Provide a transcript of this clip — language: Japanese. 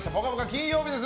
金曜日です。